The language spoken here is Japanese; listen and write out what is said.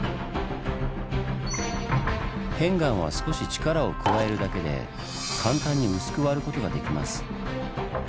片岩は少し力を加えるだけで簡単に薄く割ることができます。